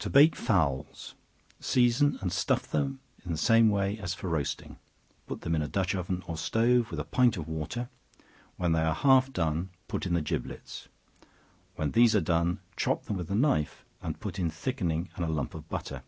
To Bake Fowls. Season and stuff them the same as for roasting; put them in a dutch oven or stove, with a pint of water; when they are half done, put in the giblets; when these are done, chop them with a knife, and put in thickening and a lump of butter.